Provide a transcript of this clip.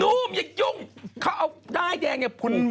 หนุ่มอย่ายุ่งด้ายแดงอย่าพูกกัน